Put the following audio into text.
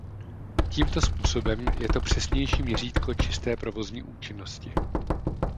Tímto způsobem je to přesnější měřítko čisté provozní účinnosti.